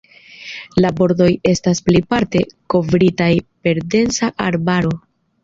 La bordoj estas plejparte kovritaj per densa arbaro.